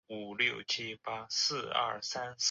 灵山镇是中国海南省海口市美兰区下辖的一个镇。